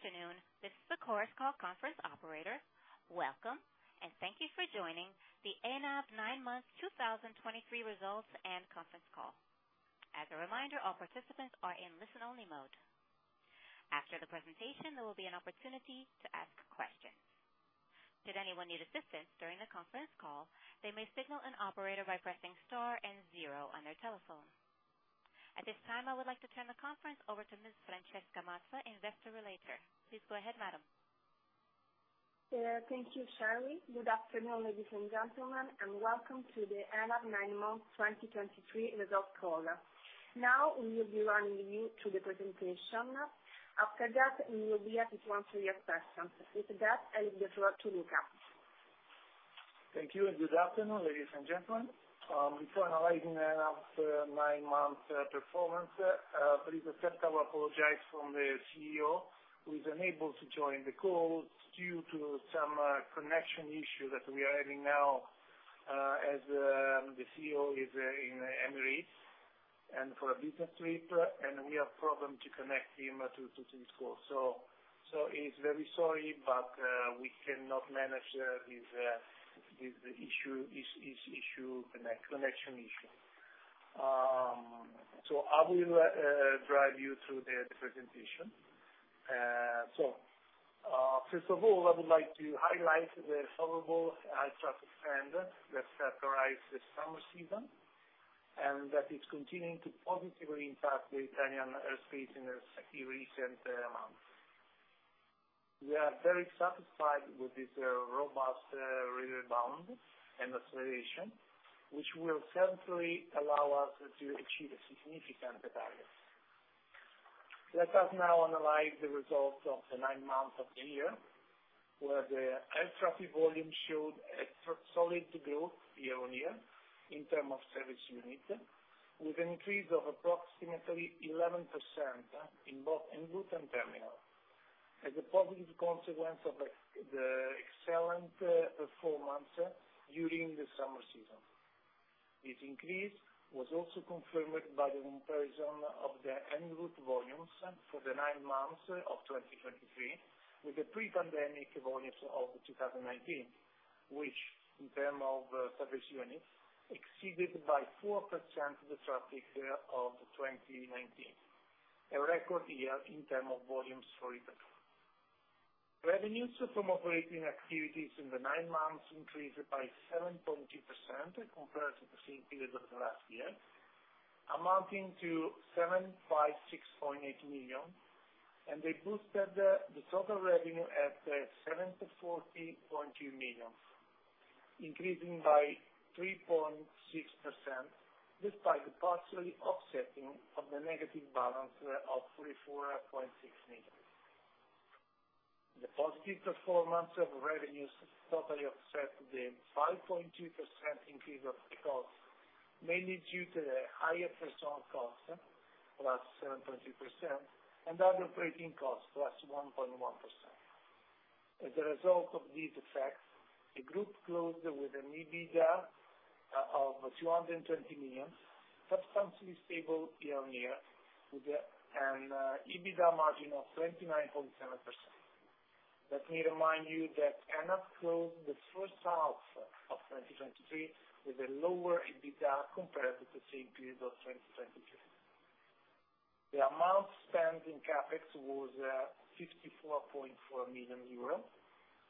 Afternoon. This is the Chorus Call Conference Operator. Welcome, and thank you for joining the ENAV Nine-Month 2023 Results and Conference Call. As a reminder, all participants are in listen-only mode. After the presentation, there will be an opportunity to ask questions. Should anyone need assistance during the conference call, they may signal an operator by pressing star and zero on their telephone. At this time, I would like to turn the conference over to Ms. Francesca Mazza, Investor Relations. Please go ahead, madam. Thank you, Shirley. Good afternoon, ladies and gentlemen, and welcome to the ENAV nine-month 2023 Results Call. Now we will be running you through the presentation. After that, we will be at your answer your questions. With that, I give the floor to Luca. Thank you, and good afternoon, ladies and gentlemen. Before analyzing ENAV nine-month performance, please accept our apologies from the CEO, who is unable to join the call due to some connection issue that we are having now, as the CEO is in Emirates for a business trip, and we have problem to connect him to this call. So he's very sorry, but we cannot manage his connection issue. So I will drive you through the presentation. First of all, I would like to highlight the favorable air traffic trend that characterized the summer season, and that is continuing to positively impact the Italian airspace in the recent months. We are very satisfied with this, robust, rebound and acceleration, which will certainly allow us to achieve significant targets. Let us now analyze the results of the nine months of the year, where the air traffic volume showed a solid growth year-on-year in terms of service unit, with an increase of approximately 11% in both en route and terminal, as a positive consequence of the excellent, performance during the summer season. This increase was also confirmed by the comparison of the en route volumes for the nine months of 2023, with the pre-pandemic volumes of 2019, which, in terms of, service units, exceeded by 4% the traffic, of 2019, a record year in terms of volumes for ENAV. Revenues from operating activities in the nine months increased by 7.2% compared to the same period of last year, amounting to 756.8 million, and they boosted the total revenue at 74.2 million, increasing by 3.6%, despite the partially offsetting of the negative balance of 44.6 million. The positive performance of revenues totally offset the 5.2% increase of costs, mainly due to the higher personnel cost, plus 7.2%, and other operating costs, plus 1.1%. As a result of these effects, the group closed with an EBITDA of 220 million, substantially stable year-on-year, with an EBITDA margin of 29.7%. Let me remind you that ENAV closed the first half of 2023 with a lower EBITDA compared to the same period of 2022. The amount spent in CapEx was 54.4 million euros,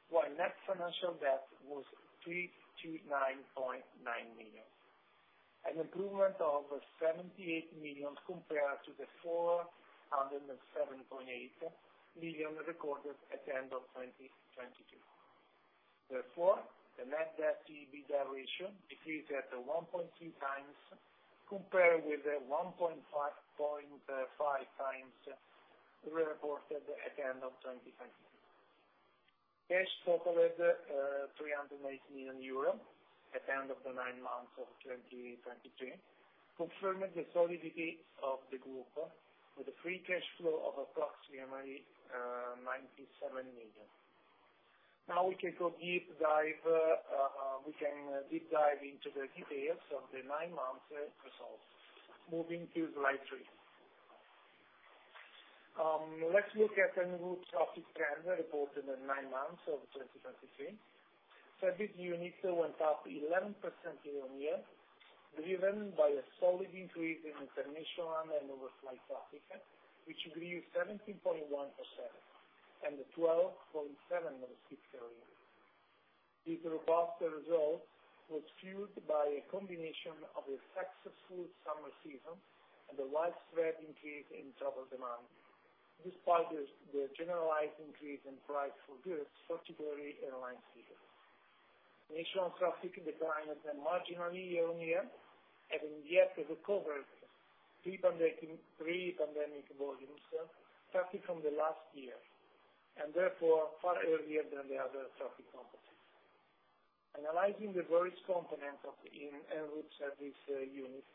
while net financial debt was 329.9 million, an improvement of 78 million compared to the 407.8 million recorded at the end of 2022. Therefore, the net debt to EBITDA ratio decreased at 1.2x, compared with the 1.55x we reported at the end of 2022. Cash totaled 380 million euro at the end of the nine months of 2023, confirming the solidity of the group, with a free cash flow of approximately 97 million. Now we can go deep dive, we can deep dive into the details of the nine-month results. Moving to slide 3. Let's look at en route traffic trend reported in nine months of 2023. Service unit went up 11% year-on-year, driven by a solid increase in international and overflight traffic, which grew 17.1% and 12.7%, respectively. This robust result was fueled by a combination of a successful summer season and a widespread increase in travel demand, despite the generalized increase in price for fuels, particularly airline fuel. National traffic declined marginally year-on-year, and yet recovered pre-pandemic volumes, starting from the last year, and therefore far earlier than the other traffic companies. Analyzing the various components of the en route service units,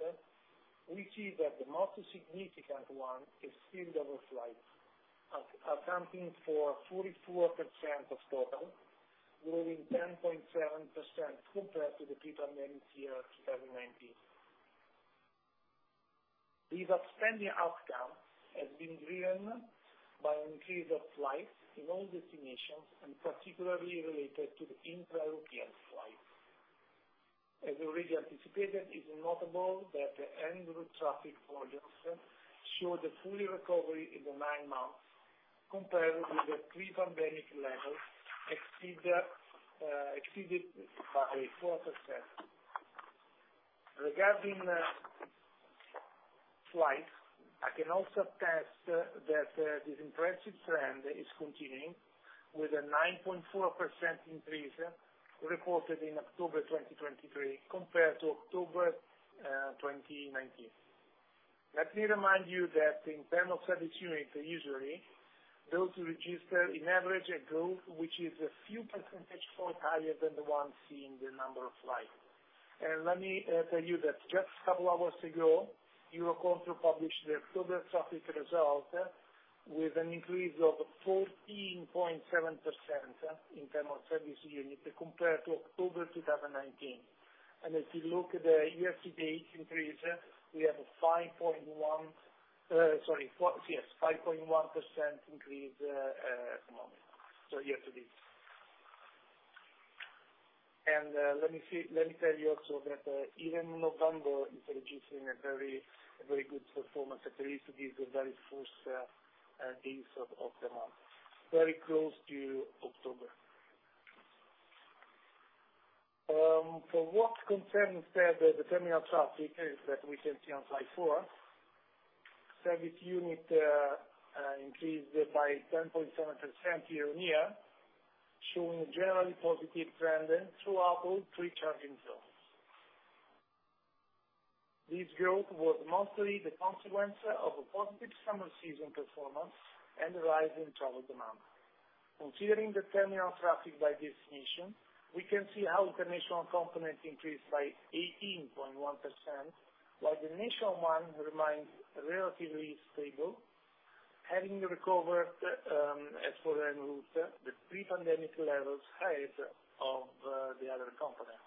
we see that the most significant one is still overflight, accounting for 44% of total, growing 10.7% compared to the pre-pandemic year, 2019. This outstanding outcome has been driven by an increase of flights in all destinations, and particularly related to the intra-European flights. As already anticipated, it is notable that the en route traffic volumes showed a full recovery in the nine months compared with the pre-pandemic levels, exceeded by 4%. Regarding flights, I can also attest that this impressive trend is continuing with a 9.4% increase reported in October 2023, compared to October 2019. Let me remind you that in terms of service unit, usually, those who register in average a growth, which is a few percentage points higher than the one seen in the number of flights. Let me tell you that just a couple hours ago, EUROCONTROL published the October traffic result, with an increase of 14.7% in terms of service unit, compared to October 2019. If you look at the year-to-date increase, we have a 5.1%, sorry, 4... Yes, 5.1% increase at the moment, so year-to-date. Let me see, let me tell you also that even November is registering a very, a very good performance, at least these very first days of the month, very close to October. For what concerns the terminal traffic that we can see on slide four, service unit increased by 10.7% year-on-year, showing a generally positive trend throughout all three charging zones. This growth was mostly the consequence of a positive summer season performance and the rise in travel demand. Considering the terminal traffic by destination, we can see how the national component increased by 18.1%, while the international one remains relatively stable, having recovered as for the en route the pre-pandemic levels ahead of the other components.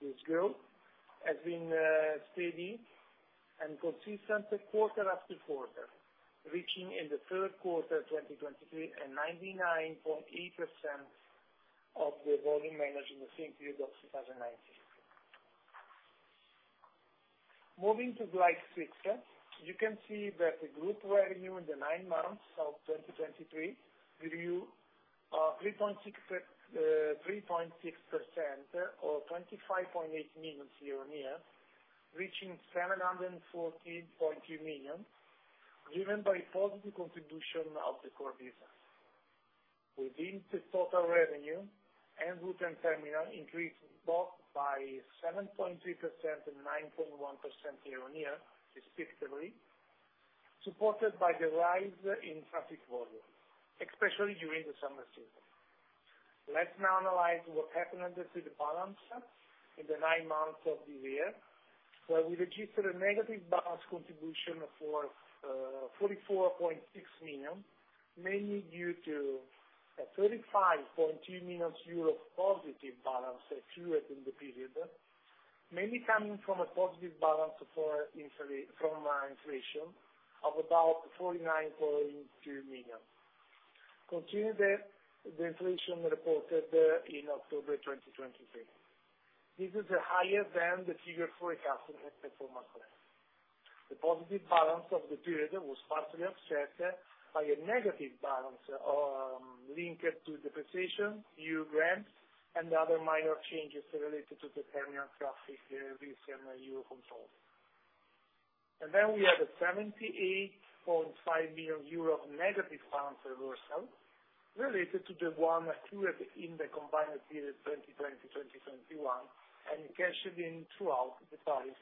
This growth has been steady and consistent quarter after quarter, reaching in the third quarter, 2023, 99.8% of the volume managed in the same period of 2019. Moving to slide 6, you can see that the group revenue in the nine months of 2023 grew 3.6%, or 25.8 million year-on-year, reaching 714.2 million, driven by positive contribution of the core business. Within the total revenue, en route and terminal increased both by 7.3% and 9.1% year-on-year, respectively, supported by the rise in traffic volume, especially during the summer season. Let's now analyze what happened to the balance in the nine months of the year, where we registered a negative balance contribution for 44.6 million, mainly due to a 35.2 million euro positive balance accrued in the period, mainly coming from a positive balance from inflation of about 49.2 million. Continue the inflation reported in October 2023. This is higher than the figure for customer performance. The positive balance of the period was partially offset by a negative balance linked to depreciation, EU grants, and other minor changes related to the terminal traffic this year EUROCONTROL. And then we have a 78.5 million euro negative balance reversal, related to the one accrued in the combined period 2020, 2021, and cashed in throughout the parties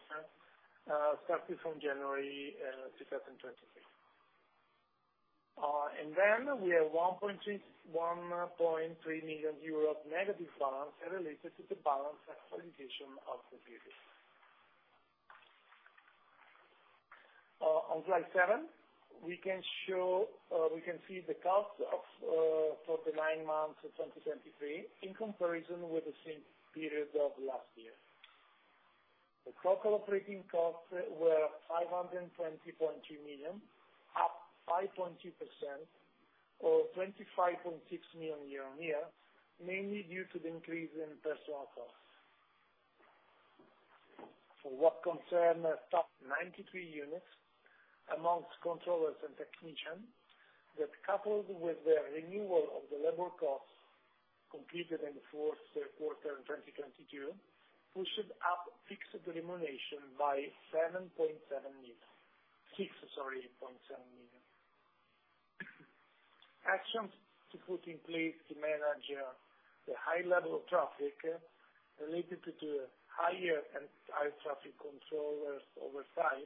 starting from January 2023. And then we have 1.3 million euros negative balance related to the balance actualization of the period. On slide seven, we can see the cost for the nine months of 2023, in comparison with the same period of last year. The total operating costs were 520.2 million, up 5.2%, or 25.6 million year-on-year, mainly due to the increase in personnel costs. For what concern the top 93 units, among controllers and technicians, that coupled with the renewal of the labor costs completed in the fourth quarter in 2022, pushed up fixed remuneration by seven point seven million. Six, sorry, point seven million. Actions to put in place to manage the high level of traffic related to the higher and higher traffic controllers over time,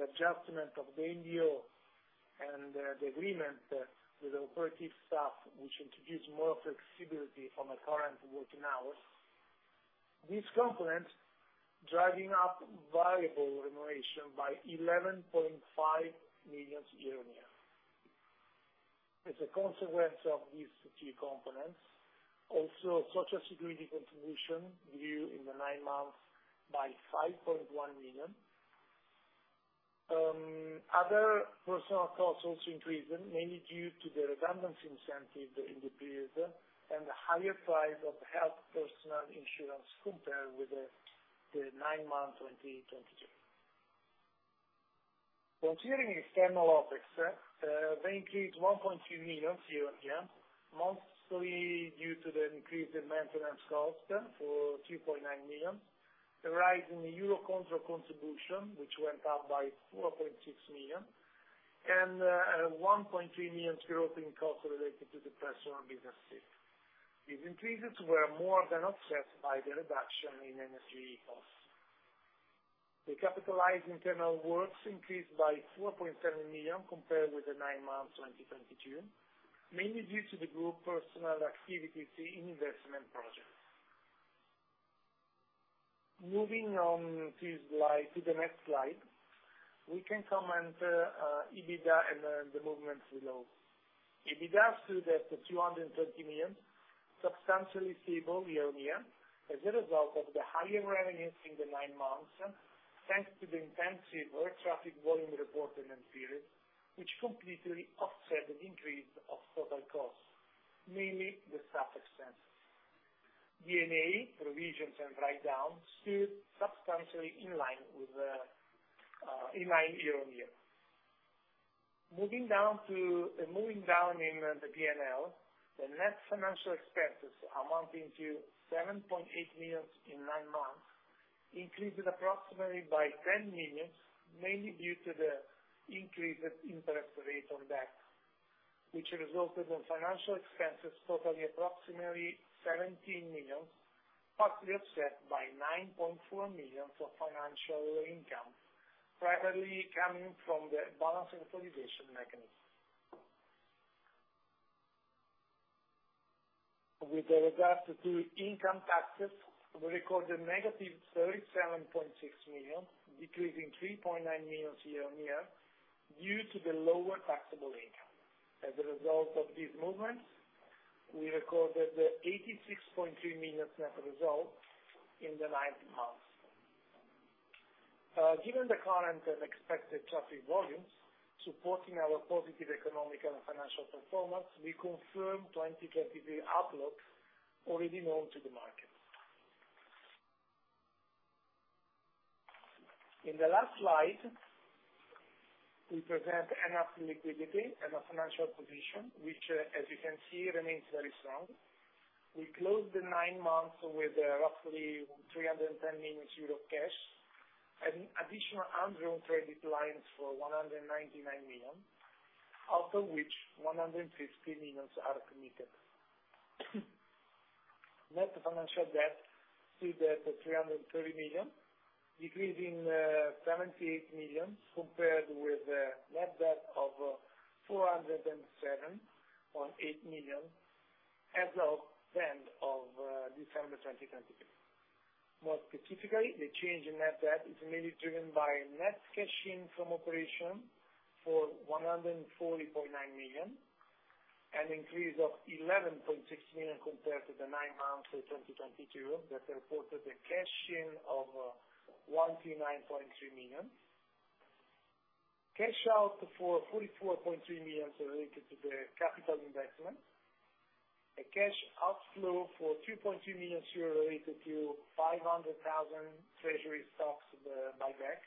the adjustment of the ATO and the agreement with the operative staff, which introduces more flexibility on the current working hours. This component, driving up variable remuneration by EUR 11.5 million year-on-year. As a consequence of these two key components, also social security contribution grew in the nine months by 5.1 million, other personnel costs also increased, mainly due to the redundancy incentive in the period, and the higher price of health personnel insurance compared with the, the nine months 2022. Concerning external OPEX, they increased 1.2 million year-on-year, mostly due to the increase in maintenance cost for 2.9 million, the rise in the EUROCONTROL contribution, which went up by 4.6 million, and, one point three million growth in costs related to the personnel business fee. These increases were more than offset by the reduction in energy costs. The capitalized internal works increased by 4.7 million compared with the nine months 2022, mainly due to the group personnel activity in investment projects. Moving on to the next slide, we can comment EBITDA and the movements below. EBITDA stood at EUR 230 million, substantially stable year-on-year, as a result of the higher revenues in the nine months, thanks to the intensive air traffic volume reported in the period, which completely offset an increase of total costs, mainly the staff expenses. D&A, provisions and write-downs, stood substantially in line year-on-year. Moving down in the P&L, the net financial expenses amounting to 7.8 million in nine months, increased approximately by 10 million, mainly due to the increased interest rate on debt, which resulted in financial expenses totaling approximately 17 million, partly offset by 9.4 million for financial income, primarily coming from the balance actualization mechanism. With regard to income taxes, we recorded -37.6 million, decreasing 3.9 million year-on-year, due to the lower taxable income. As a result of these movements, we recorded the 86.3 million net result in the nine-month. Given the current and expected traffic volumes, supporting our positive economic and financial performance, we confirm 2023 outlook already known to the market. In the last slide, we present ENAV liquidity and our financial position, which, as you can see, remains very strong. We closed the nine months with roughly 310 million euro cash, and additional undrawn credit lines for 199 million, out of which 150 million are committed. Net financial debt stood at 330 million, decreasing 78 million, compared with the net debt of 407.8 million as of end of December 2022. More specifically, the change in net debt is mainly driven by net cash in from operation for 140.9 million, an increase of 11.6 million compared to the nine months of 2022, that reported a cash in of 109.3 million. Cash out for 44.3 million related to the capital investment. A cash outflow for 2.2 million euro related to 500,000 treasury stocks buyback.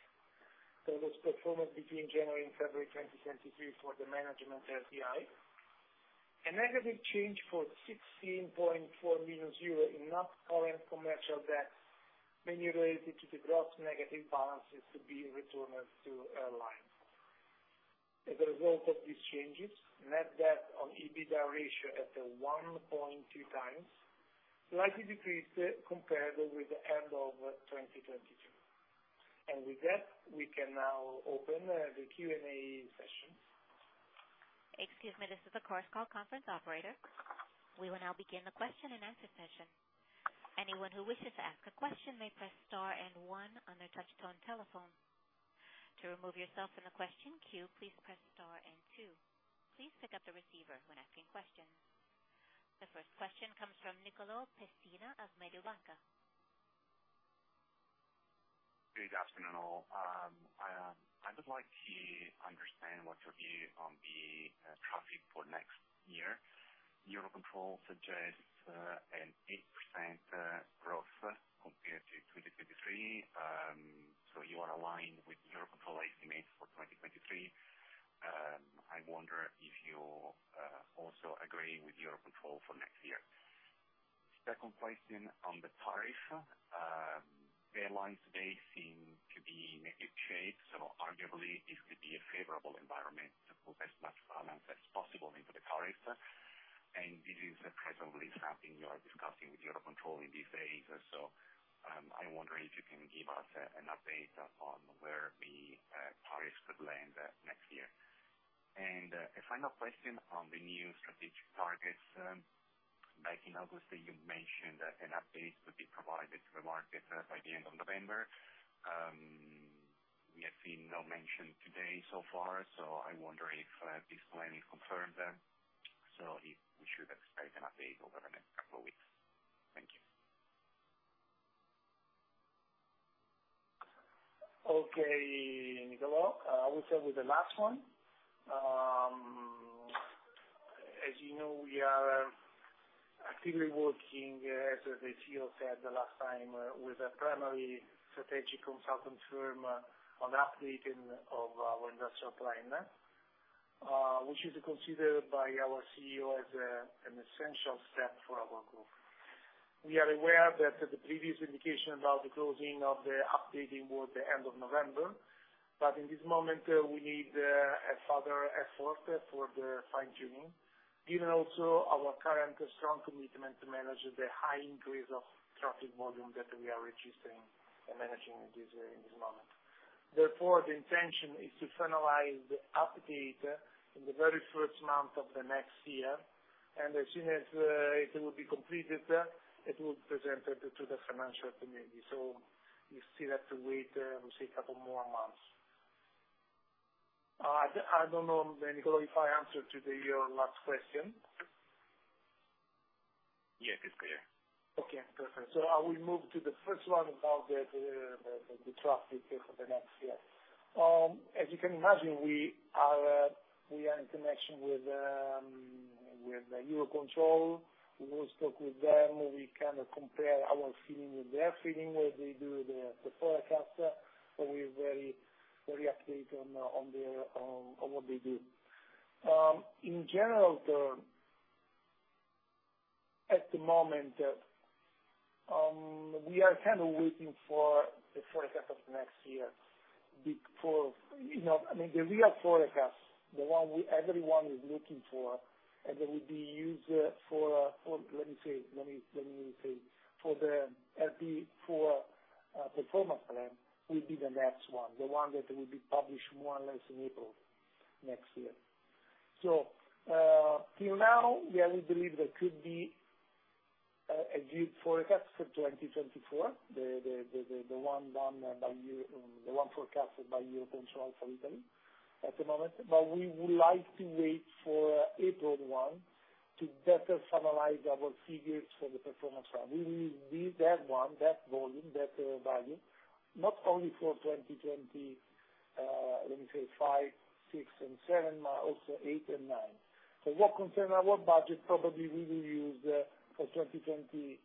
So this performance between January and February 2023 for the management LTI. A negative change for 16.4 million euro in non-current commercial debts, mainly related to the gross negative balances to be returned to airlines. As a result of these changes, net debt to EBITDA ratio at 1.2x, slightly decreased compared with the end of 2022. With that, we can now open the Q&A session. Excuse me, this is the Chorus Call conference operator. We will now begin the question and answer session. Anyone who wishes to ask a question may press star and one on their touchtone telephone. To remove yourself from the question queue, please press star and two. Please pick up the receiver when asking questions. The first question comes from Nicolò Pessina of Mediobanca. Good afternoon, all. I would like to understand what your view on the traffic for next year. EUROCONTROL suggests an 8% growth compared to 2023. So you are aligned with EUROCONTROL estimates for 2023. I wonder if you also agree with EUROCONTROL for next year? Second question on the tariff. Airlines may seem to be in a good shape, so arguably this could be a favorable environment to put as much balance as possible into the tariff, and this is presently something you are discussing with EUROCONTROL in these days. So, I wonder if you can give us an update on where the tariffs could land next year. And a final question on the new-... Targets, back in August, you mentioned that an update would be provided to the market by the end of November. We have seen no mention today so far, so I wonder if this planning confirmed them, so if we should expect an update over the next couple of weeks? Thank you. Okay, Nicolò. I will start with the last one. As you know, we are actively working, as the CEO said the last time, with a primary strategic consultant firm on updating of our industrial plan, which is considered by our CEO as an essential step for our group. We are aware that the previous indication about the closing of the updating was the end of November, but in this moment, we need a further effort for the fine-tuning, given also our current strong commitment to manage the high increase of traffic volume that we are registering and managing in this, in this moment. Therefore, the intention is to finalize the update in the very first month of the next year, and as soon as it will be completed, it will be presented to the financial community. So we still have to wait, we say a couple more months. I don't know, Nicolò, if I answered to your last question? Yes, it's clear. Okay, perfect. So I will move to the first one about the traffic for the next year. As you can imagine, we are in connection with the EUROCONTROL. We always talk with them. We kind of compare our feeling with their feeling, where they do the forecast, and we're very updated on what they do. In general term, at the moment, we are kind of waiting for the forecast of next year. Before, you know, I mean, the real forecast, the one everyone is looking for, and that will be used for, let me say, for the RP4 performance plan, will be the next one, the one that will be published more or less in April next year. So, till now, yeah, we believe there could be a good forecast for 2024. The one done by EUROCONTROL, the one forecasted by EUROCONTROL for Italy at the moment. But we would like to wait for April 1, to better finalize our figures for the performance plan. We will use that one, that volume, that value, not only for 2025, 2026, and 2027, but also 2028 and 2029. So what concern our budget, probably we will use for 2024,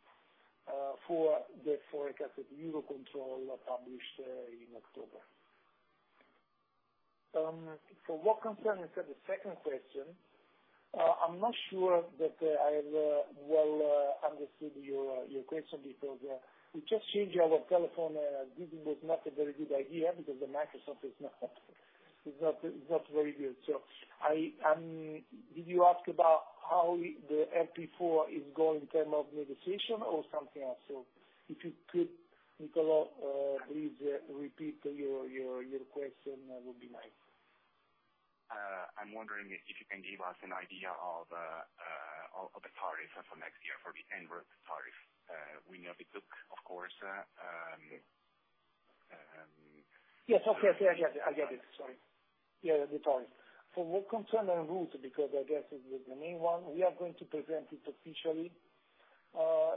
the forecast of EUROCONTROL published in October. For what concern the second question, I'm not sure that I understood your question because we just changed our telephone, this was not a very good idea because the Microsoft is not very good. So I... Did you ask about how the RP4 is going in term of negotiation or something else? So if you could, Nicolò, please, repeat your question, that would be nice. I'm wondering if you can give us an idea of the tariff for next year, for the end tariff. We know it took, of course, Yes, okay. I get it. I get it. Sorry. Yeah, the tariff. For what concern our route, because I guess it's the main one, we are going to present it officially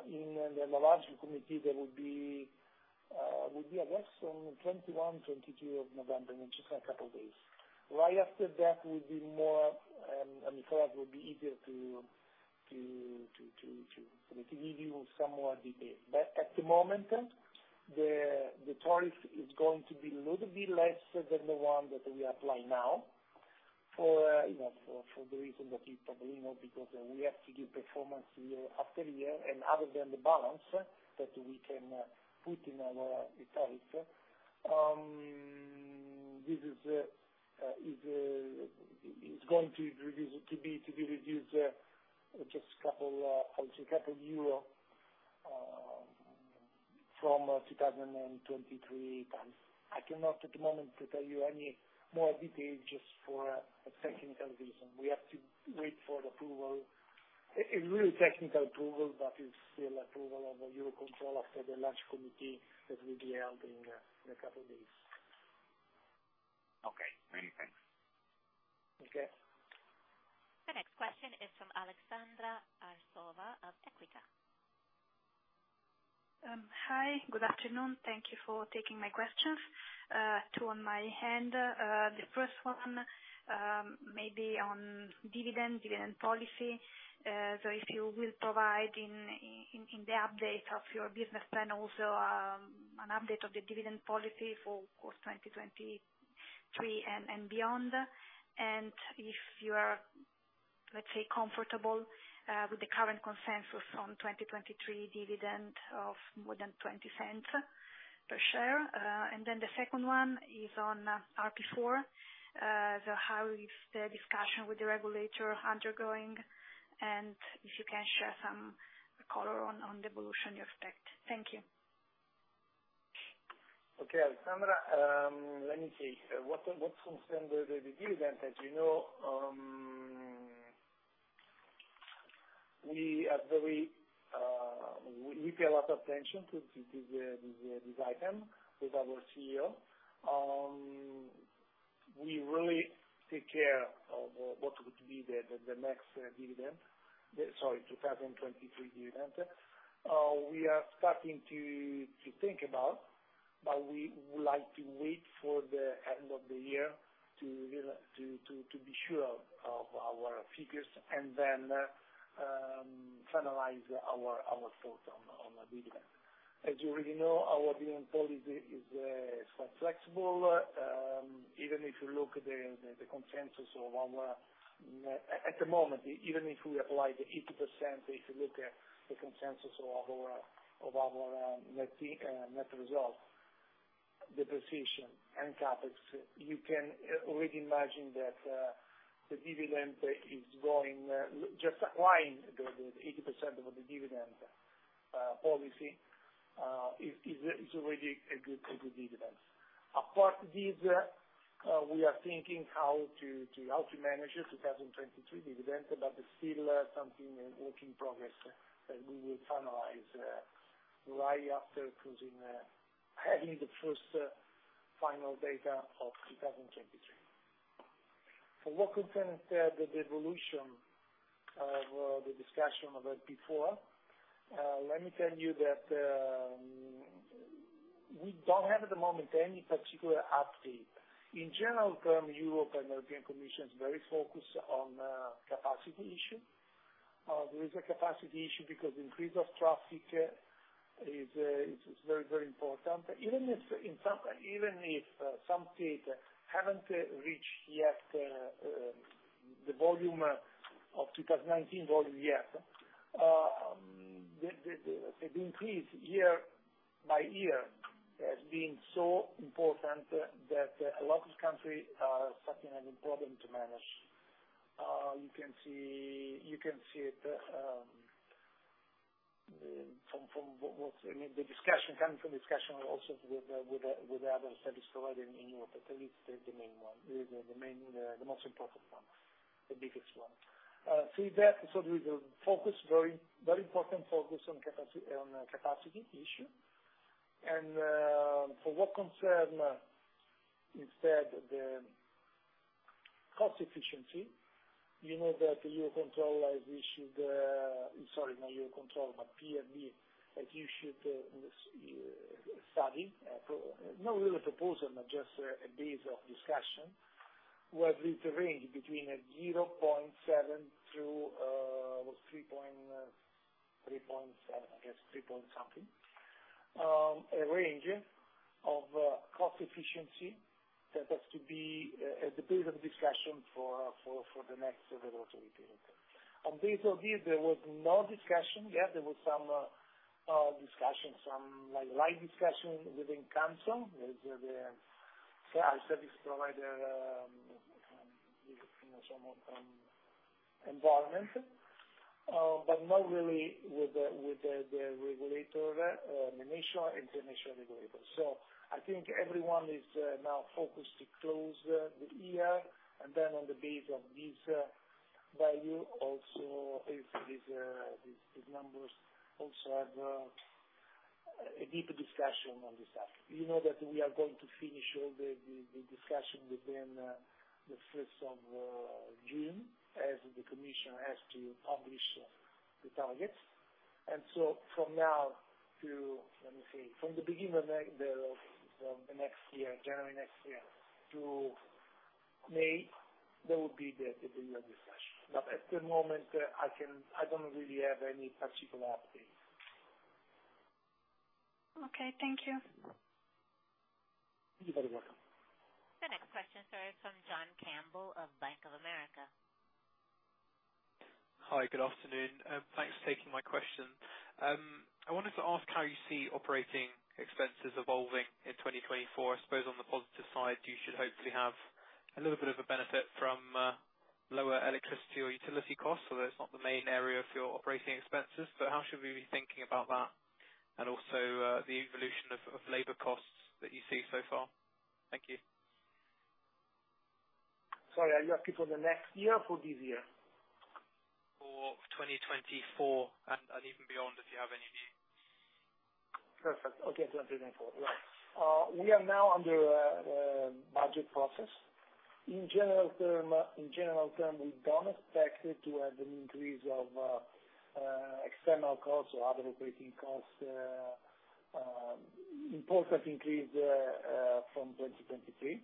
in an enlarged committee that will be, I guess, on 21, 22 of November, in just a couple of days. Right after that, will be more, I mean, perhaps, it will be easier to give you some more detail. But at the moment, the tariff is going to be a little bit less than the one that we apply now, for, you know, for the reason that you probably know, because we have to give performance year after year, and other than the balance that we can put in our tariff. This is going to be reduced just a couple EUR from 2023. I cannot, at the moment, tell you any more details just for a technical reason. We have to wait for approval. A really technical approval, but it's still approval of the EUROCONTROL after the large committee that will be held in a couple of days. Okay, many thanks. Okay. The next question is from Aleksandra Arsova of Equita. Hi, good afternoon. Thank you for taking my questions. Two on hand. The first one may be on dividend policy. So if you will provide in the update of your business plan, also an update of the dividend policy for, of course, 2023 and beyond. And if you are, let's say, comfortable with the current consensus on 2023 dividend of more than 0.20 per share. And then the second one is on RP4. So how is the discussion with the regulator undergoing? And if you can share some color on the evolution you expect. Thank you.... Okay, Aleksandra, let me see. What concerns the dividend, as you know, we are very, we pay a lot of attention to this item with our CEO. We really take care of what would be the next dividend. The, sorry, 2023 dividend. We are starting to think about, but we would like to wait for the end of the year to really be sure of our figures, and then, finalize our thoughts on the dividend. As you already know, our dividend policy is quite flexible. Even if you look at the consensus of our... At the moment, even if we apply the 80%, if you look at the consensus of our net result, the precision and CapEx, you can already imagine that the dividend is going just applying the 80% of the dividend policy is already a good dividend. Apart this, we are thinking how to manage the 2023 dividend, but it's still something in working progress, that we will finalize right after closing, having the first final data of 2023. For what concerns the devolution or the discussion about before, let me tell you that we don't have, at the moment, any particular update. In general terms, Europe and European Commission is very focused on capacity issue. There is a capacity issue because increase of traffic is very, very important. Even if in some, even if some states haven't reached yet the volume of 2019 volume yet, the increase year by year has been so important that a lot of countries are facing a problem to manage. You can see it from what I mean, the discussion coming from discussion also with the other service provider in Europe. It's the main one, the most important one, the biggest one. So the focus, very, very important focus on capacity, on capacity issue. For what concern, instead the cost efficiency, you know that the EUROCONTROL has issued... Sorry, not EUROCONTROL, but PRB, has issued, a study, not really a proposal, but just a base of discussion, where the range between 0.7 to, what, 3.7, I guess 3 point something, a range of cost efficiency. That has to be at the base of discussion for the next regulatory period. On base of this, there was no discussion, yet there was some discussion, some, like, light discussion within council, with the service provider, you know, some environment, but not really with the regulator, national and international regulator. So I think everyone is now focused to close the year, and then on the base of this value, also is these numbers also have a deeper discussion on this topic. You know that we are going to finish all the discussion within the first of June, as the commission has to publish the targets. And so from now to, let me see, from the beginning of next, of the next year, January next year, to May, there will be the bigger discussion. But at the moment, I don't really have any particular update. Okay, thank you. You're very welcome. The next question, sir, is from John Campbell of Bank of America. Hi, good afternoon, thanks for taking my question. I wanted to ask how you see operating expenses evolving in 2024. I suppose on the positive side, you should hopefully have a little bit of a benefit from lower electricity or utility costs, although it's not the main area of your operating expenses. But how should we be thinking about that, and also the evolution of labor costs that you see so far? Thank you. Sorry, are you asking for the next year or for this year? For 2024, and even beyond, if you have any view. Perfect. Okay, 2024, right. We are now under budget process. In general terms, we don't expect to have an increase of external costs or other operating costs important increase from 2023.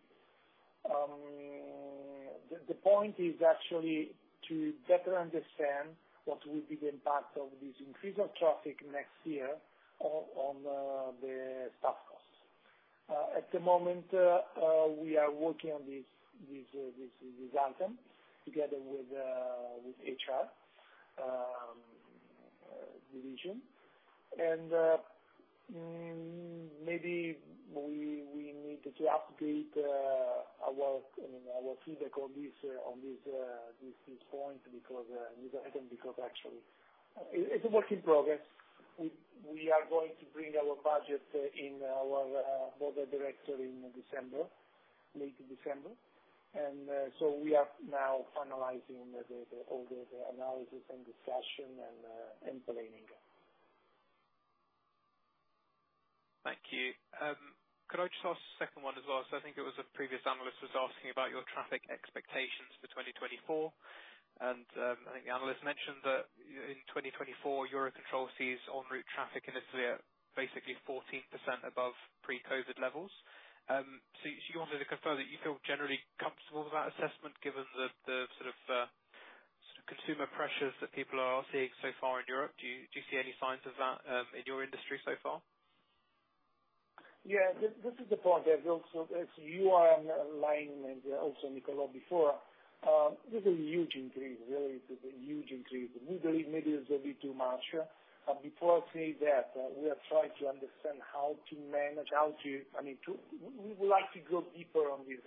The point is actually to better understand what will be the impact of this increase of traffic next year on the staff costs. At the moment, we are working on this item together with HR division. And maybe we need to update our forecast, I mean, on this point, because actually it's a work in progress. We are going to bring our budget in our board of directors in December, late December, and so we are now finalizing all the analysis and discussion and planning. Thank you. Could I just ask a second one as well? So I think it was a previous analyst was asking about your traffic expectations for 2024, and I think the analyst mentioned that in 2024, EUROCONTROL sees en route traffic in Italy basically 14% above pre-COVID levels. So do you want to confirm that you feel generally comfortable with that assessment, given the sort of consumer pressures that people are seeing so far in Europe? Do you see any signs of that in your industry so far? Yeah, this, this is the point, as also, as you are in line and also Nicolò before, this is a huge increase, really, it is a huge increase. We believe maybe it's a bit too much, but before I say that, we are trying to understand how to manage, how to... I mean, we would like to go deeper on this,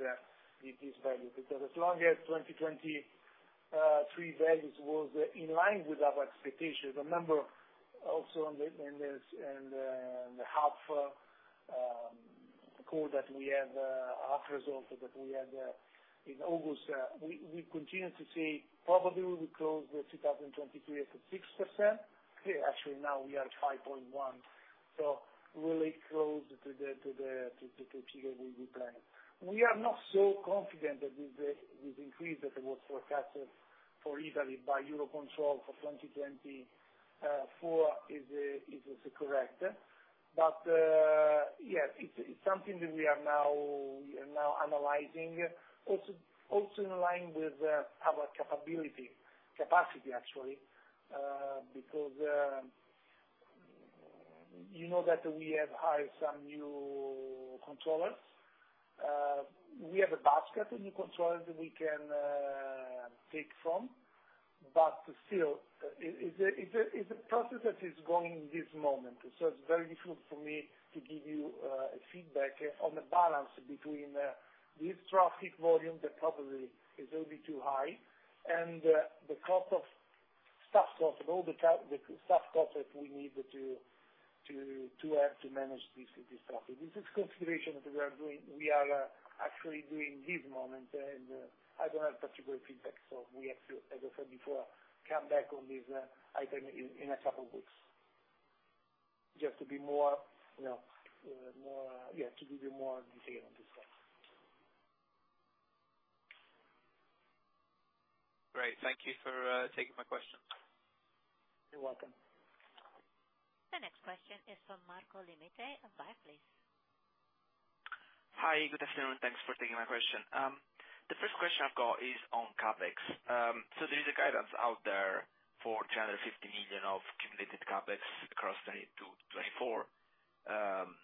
this, this value, because as long as 2023 values was in line with our expectations, remember also on the, in this, in the half call that we had, half results that we had, in August, we, we continue to see probably we close the 2023 at 6%. Okay, actually, now we are at 5.1%, so really close to the, to the, to, to what we planned. We are not so confident that this increase that was forecasted for Italy by EUROCONTROL for 2024 is correct. But yes, it's something that we are now analyzing. Also in line with our capability, capacity, actually, because you know that we have hired some new controllers. We have a basket of new controllers that we can pick from, but still, it's a process that is going this moment. So it's very difficult for me to give you a feedback on the balance between this traffic volume that probably is a bit too high and the cost of staff cost, the staff cost that we need to have to manage this traffic. This is consideration that we are doing. We are actually doing this moment, and I don't have particular feedback, so we have to, as I said before, come back on this item in a couple of weeks, just to be more, you know, more, yeah, to give you more detail on this one. Great. Thank you for taking my question. You're welcome. The next question is Marco Limite of Barclays. Hi, good afternoon, thanks for taking my question. The first question I've got is on CapEx. So there is a guidance out there for 350 million of cumulative CapEx across 2022, 2024.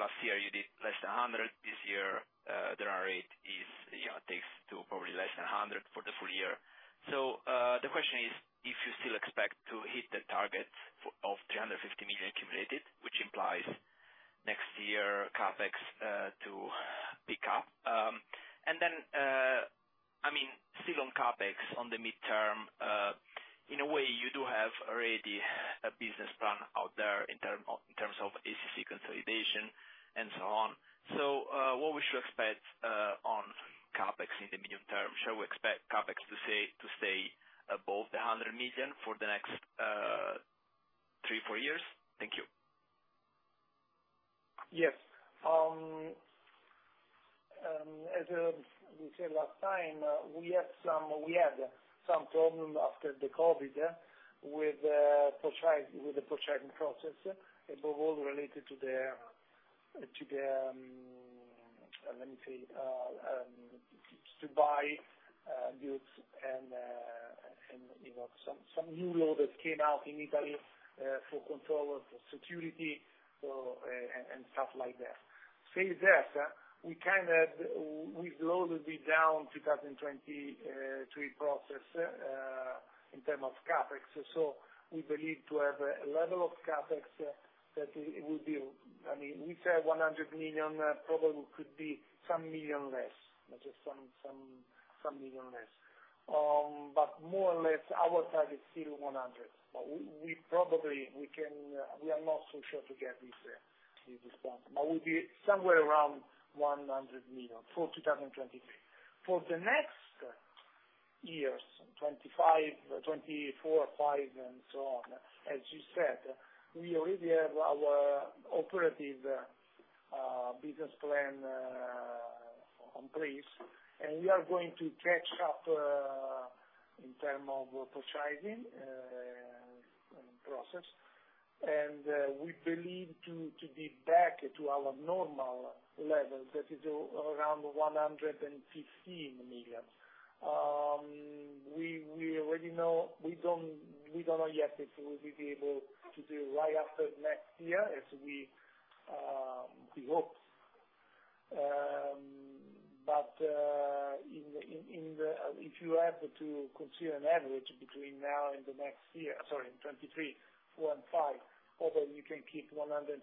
Last year, you did less than 100 million. This year, the run rate is, you know, takes to probably less than 100 million for the full year. So, the question is, if you still expect to hit the target of 350 million cumulative, which implies next year CapEx to pick up. And then, I mean, still on CapEx, on the midterm, in a way, you do have already a business plan out there in term of, in terms of ACC consolidation and so on. So, what we should expect on CapEx in the medium term? Shall we expect CapEx to stay above 100 million for the next three, four years? Thank you. Yes. As we said last time, we had some problem after the COVID with the purchasing process, above all related to the, let me say, to buy goods and, you know, some new law that came out in Italy for controllers, for security, so and stuff like that. That said, we kind of, we've lowered it down to 2023 process in terms of CapEx. So we believe to have a level of CapEx that it will be, I mean, we say 100 million, probably could be some million less, just some million less. But more or less, our target is still 100, but we probably, we can, we are not so sure to get this, this point, but we'll be somewhere around 100 million for 2023. For the next years, 2025, 2024, 2025, and so on, as you said, we already have our operative business plan in place, and we are going to catch up in terms of purchasing process. And, we believe to be back to our normal levels, that is around 115 million. We already know, we don't know yet if we will be able to do right after next year, as we hope. But if you have to consider an average between now and the next year, sorry, in 2023, 2024, and 2025, although you can keep 115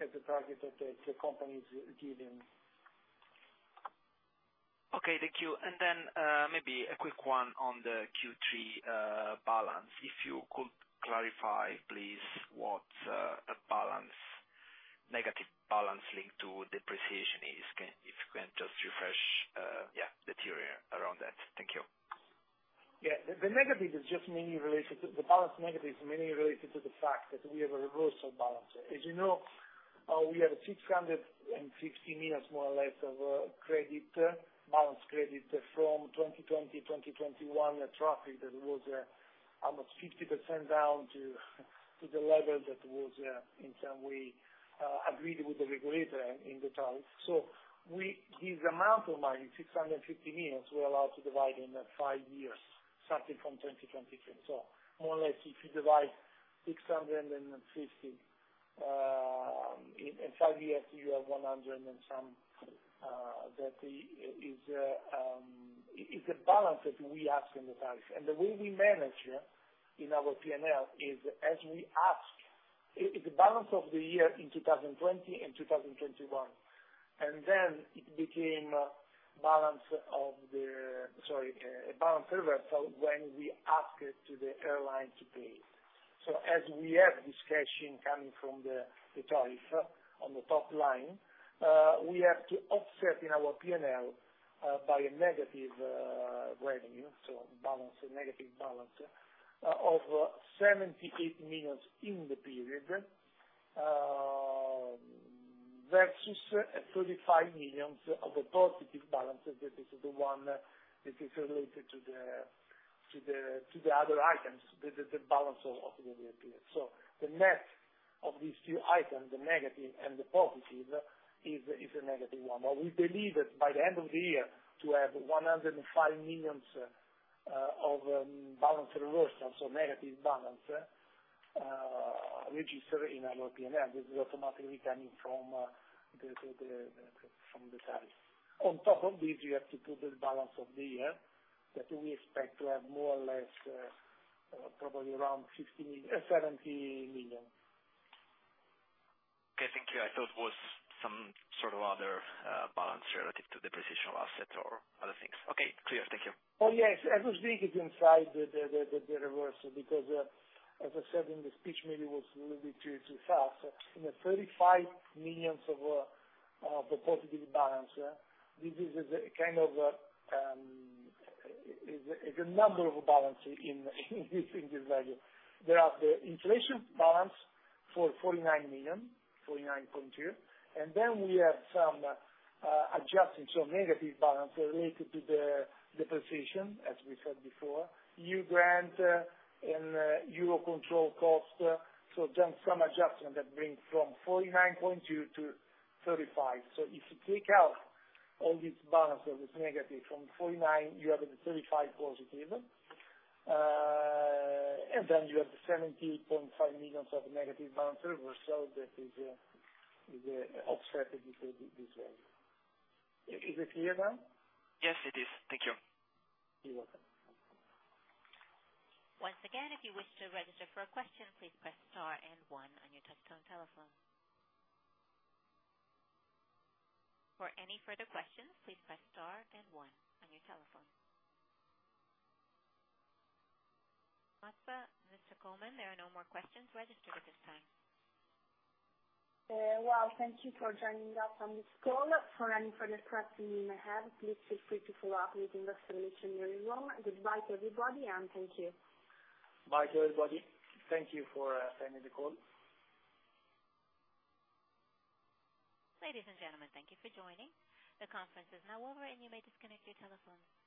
as the target that the company is giving. ... Okay, thank you. And then, maybe a quick one on the Q3 balance. If you could clarify, please, what a balance, negative balance linked to depreciation is. Can if you can just refresh, yeah, the theory around that. Thank you. Yeah, the negative is just mainly related to the balance negative is mainly related to the fact that we have a reversal balance. As you know, we have 660 million, more or less, of credit, balance credit from 2020, 2021 traffic that was almost 50% down to the level that was in some way agreed with the regulator in the tariff. So this amount of money, 650 million, we're allowed to divide in five years, starting from 2023. So more or less, if you divide 650 in five years, you have 100 and some that is a balance that we ask in the tariff. And the way we manage in our P&L is as we ask it, it's the balance of the year in 2020 and 2021, and then it became a balance of the... Sorry, balance reversal when we ask it to the airline to pay. So as we have this cash incoming from the tariff on the top line, we have to offset in our P&L by a negative revenue, so balance, a negative balance of 78 million in the period versus 35 million of the positive balance. That is the one that is related to the other items, the balance of the P&L. So the net of these two items, the negative and the positive, is a negative 1. But we believe that by the end of the year, to have 105 million of balance reversal, so negative balance register in our P&L, this is automatically coming from the tariff. On top of this, you have to put the balance of the year, that we expect to have more or less, probably around 50 million-70 million. Okay, thank you. I thought it was some sort of other, balance relative to the depreciation of asset or other things. Okay, clear. Thank you. Oh, yes. As was speaking inside the reversal, because, as I said in the speech, maybe it was a little bit too fast. In the 35 million of the positive balance, this is a kind of a number of balance in this value. There are the inflation balance for 49 million, 49.2, and then we have some adjusting, so negative balance related to the depreciation, as we said before, new grant and EUROCONTROL cost. So then some adjustment that brings from 49.2 to 35. So if you take out all this balance that is negative from 49, you have the 35 positive. And then you have the 70.5 million of negative balance reversal that is offset in this way. Is it clear now? Yes, it is. Thank you. You're welcome. Once again, if you wish to register for a question, please press star and one on your touchtone telephone. For any further questions, please press star then one on your telephone. Mazza, Mr. Colman, there are no more questions registered at this time. Well, thank you for joining us on this call. For any further questions you may have, please feel free to follow up with Investor Relations mailing list. Goodbye to everybody, and thank you. Bye to everybody. Thank you for attending the call. Ladies and gentlemen, thank you for joining. The conference is now over, and you may disconnect your telephones.